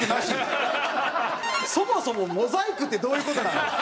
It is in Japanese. そもそもモザイクってどういう事なの？